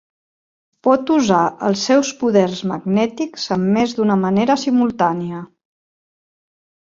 Pot usar els seus poders magnètics en més d'una manera simultània.